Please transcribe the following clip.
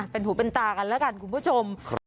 เป็นหูเป็นตากันแล้วกันคุณผู้ชม